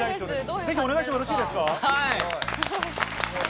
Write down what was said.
ぜひお願いしてもよろしいですか？